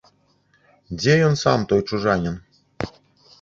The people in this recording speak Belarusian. Дзе ён сам, той чужанін?